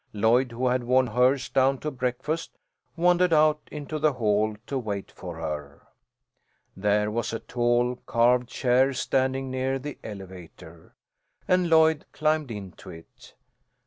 Lloyd, who had worn hers down to breakfast, wandered out into the hall to wait for her. There was a tall, carved chair standing near the elevator, and Lloyd climbed into it.